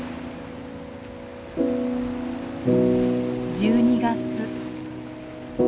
１２月。